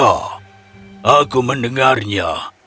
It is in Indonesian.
ya aku mendengarnya